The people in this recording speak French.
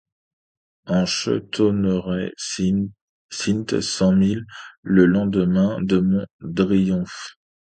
Et che tonnerai cint cent mile le lendemain te mon driomphe.